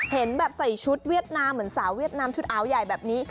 เห็นแบบใส่ชุดเวียดนามเหมือนสาวเวียดนามชุดอาวใหญ่แบบนี้